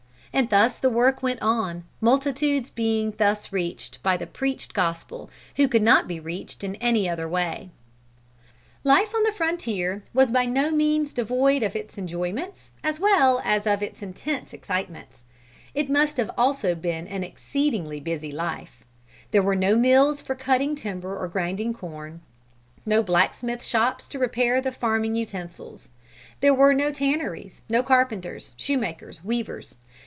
And thus the work went on, multitudes being thus reached by the preached Gospel who could not be reached in any other way.[A] [Footnote A: Bang's History of Methodism.] Life on the frontier was by no means devoid of its enjoyments as well as of its intense excitements. It must have been also an exceedingly busy life. There were no mills for cutting timber or grinding corn; no blacksmith shops to repair the farming utensils. There were no tanneries, no carpenters, shoemakers, weavers.